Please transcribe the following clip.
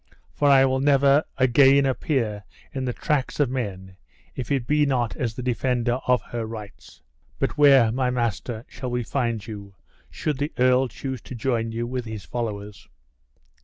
for I will never again appear in the tracks of men if it be not as the defender of her rights." "But where, my master, shall we find you, should the earl choose to join you with his followers?"